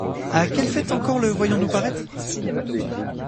A quelle fête encore le voyons-nous paraître ?